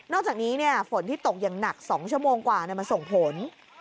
นอกจากนี้เนี่ยฝนที่ตกอย่างหนักสองชั่วโมงกว่าเนี่ยมาส่งผล